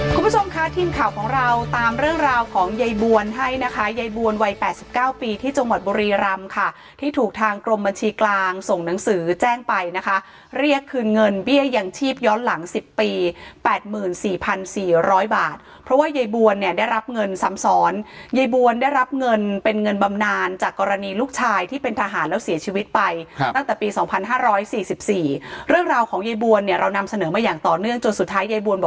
คุณผู้ชมค่ะทีมข่าวของเราตามเรื่องราวของเยยบวนให้นะคะเยยบวนวัย๘๙ปีที่จงหวัดบรีรำค่ะที่ถูกทางกรมบัญชีกลางส่งหนังสือแจ้งไปนะคะเรียกคืนเงินเบี้ยอย่างชีพย้อนหลังสิบปี๘๔๔๐๐บาทเพราะว่าเยยบวนเนี่ยได้รับเงินซ้ำสอนเยยบวนได้รับเงินเป็นเงินบำนานจากกรณีลูกชายที่เป็นทหารแล้วเสีย